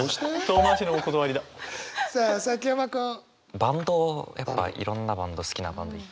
バンドやっぱいろんなバンド好きなバンドいて。